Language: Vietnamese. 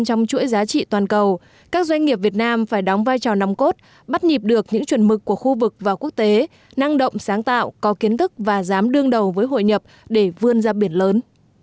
trong thời gian tới để phát triển với trình độ cao hơn trong chuỗi giá trị toàn cầu các doanh nghiệp việt nam phải đóng vai trò nắm cốt bắt nhịp được những chuẩn mực của khu vực và quốc tế năng động sáng tạo có kiến thức và dám đương đầu với hội nhập để vươn ra biển lớn